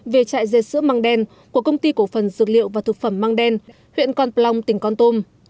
về trại dê sữa măng đen của công ty cổ phần dược liệu và thực phẩm măng đen huyện con plong tỉnh con tum